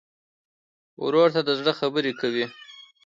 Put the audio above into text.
ورور ته د زړه خبره کوې.